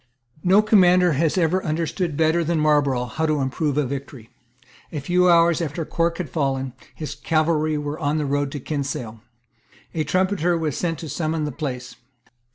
No commander has ever understood better than Marlborough how to improve a victory. A few hours after Cork had fallen, his cavalry were on the road to Kinsale. A trumpeter was sent to summon the place.